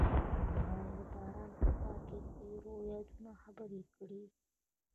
هغوی د باران په خوا کې تیرو یادونو خبرې کړې.